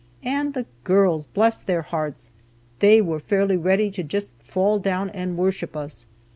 And the girls! bless their hearts! They were fairly ready to just fall down and worship us.